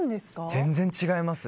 全然違います。